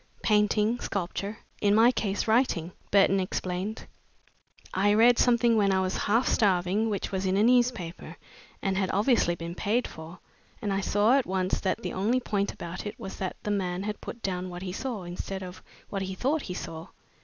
"Painting, sculpture, in my case writing," Burton explained. "I read something when I was half starving which was in a newspaper and had obviously been paid for, and I saw at once that the only point about it was that the man had put down what he saw instead of what he thought he saw.